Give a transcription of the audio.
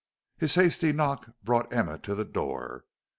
His hasty knock brought Emma to the door.